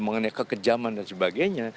mengenai kekejaman dan sebagainya